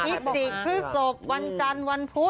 ติกชื่อศพวันจันทร์วันพุธ